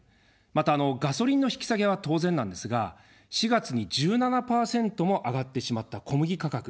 また、ガソリンの引き下げは当然なんですが、４月に１７％も上がってしまった小麦価格。